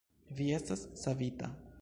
Vi estas savita!